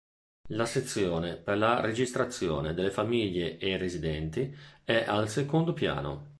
La Sezione per la registrazione delle famiglie e i residenti è al secondo piano.